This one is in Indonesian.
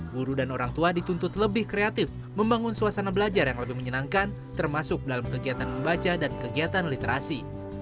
guru dan orang tua dituntut lebih kreatif membangun suasana belajar yang lebih menyenangkan termasuk dalam kegiatan membaca dan kegiatan literasi